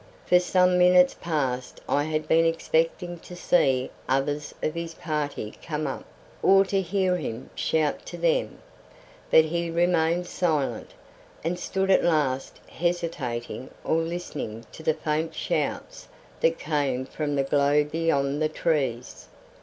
For some minutes past I had been expecting to see others of his party come up, or to hear him shout to them, but he remained silent, and stood at last hesitating or listening to the faint shouts that came from the glow beyond the trees.